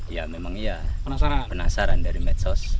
ya memang iya penasaran dari medsos